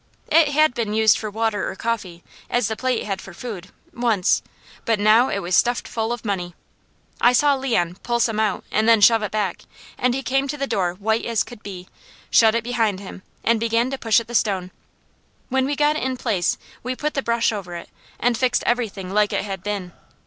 It had been used for water or coffee, as the plate had for food, once, but now it was stuffed full of money. I saw Leon pull some out and then shove it back, and he came to the door white as could be, shut it behind him and began to push at the stone. When we got it in place we put the brush over it, and fixed everything like it had been.